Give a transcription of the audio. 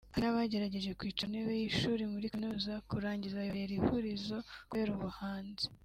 Hari n’abagerageje kwicara ku ntebe y’ishuri muri Kaminuza kurangiza bibabera ihurizo kubera ubuhanzi